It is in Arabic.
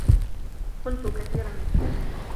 كنت كثير النّسيان.